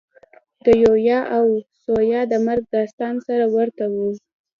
د یویا او ثویا د مرګ داستان سره ورته وي.